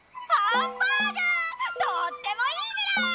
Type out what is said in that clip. とってもいいメラ！